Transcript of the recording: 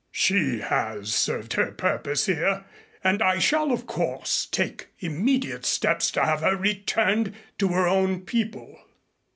She has served her purpose here and I shall, of course, take immediate steps to have her returned to her own people."